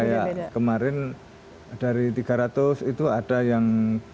kayak kemarin dari tiga ratus itu ada yang